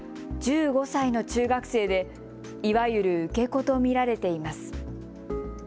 １５歳の中学生でいわゆる受け子と見られています。